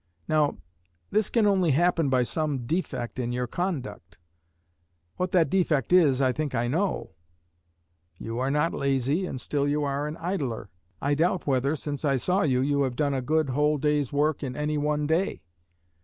Now, this can only happen by some defect in your conduct. What that defect is, I think I know. You are not lazy, and still you are an idler. I doubt whether, since I saw you, you have done a good whole day's work in any one day.